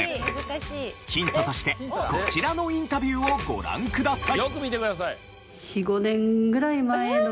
ヒントとしてこちらのインタビューをご覧ください。